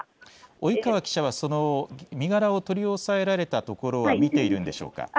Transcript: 及川記者はその身柄を取り押さえられたところは見ているんでしょうか。